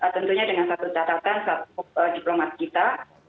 tentunya dengan satu catatan satu diplomat kita